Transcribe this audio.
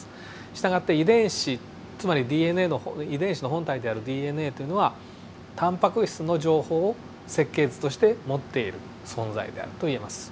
従って遺伝子つまりＤＮＡの遺伝子の本体であるＤＮＡっていうのはタンパク質の情報を設計図として持っている存在であるといえます。